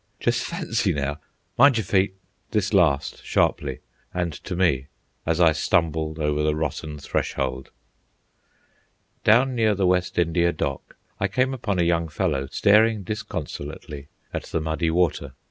Just fancy, now!—Mind yer feet!"—this last sharply, and to me, as I stumbled over the rotten threshold. Down near the West India Dock I came upon a young fellow staring disconsolately at the muddy water.